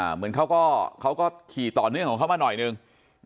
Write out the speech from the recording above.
เหมือนเขาก็เขาก็ขี่ต่อเนื่องของเขามาหน่อยหนึ่ง